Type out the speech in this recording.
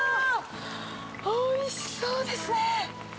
おいしそうですね！